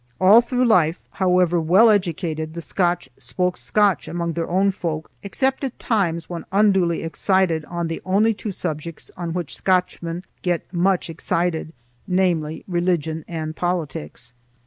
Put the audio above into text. All through life, however well educated, the Scotch spoke Scotch among their own folk, except at times when unduly excited on the only two subjects on which Scotchmen get much excited, namely religion and politics.